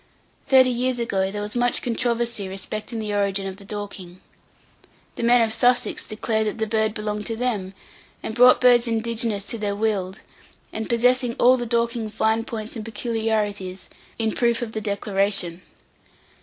Thirty years ago, there was much controversy respecting the origin of the Dorking. The men of Sussex declared that the bird belonged to them, and brought birds indigenous to their weald, and possessing all the Dorking fine points and peculiarities, in proof of the declaration.